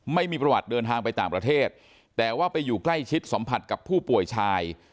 ไม่มีประวัติเดินทางไปต่างประเทศแต่ว่าไปอยู่ใกล้ชิดสัมผัสกับผู้ป่วยชาย